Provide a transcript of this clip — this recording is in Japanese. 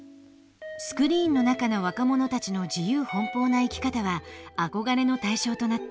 スクリーンの中の若者たちの自由奔放な生き方は憧れの対象となった。